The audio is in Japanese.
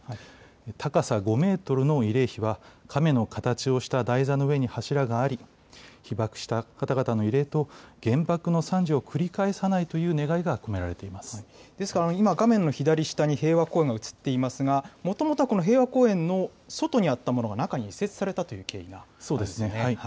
高さ５メートルの慰霊碑は、かめの形をした台座の上に柱があり、被爆した方々の慰霊と原爆の惨事を繰り返さないという願いが込めですから、今、画面の左下に平和公園が映っていますが、もともとはこの平和公園の外にあったものが中に移設されたという経緯があるんですね。